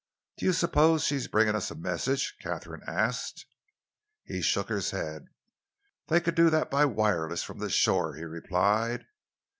"Do you suppose she is bringing us a message?" Katharine asked. He shook his head. "They could do that by wireless from the shore," he replied.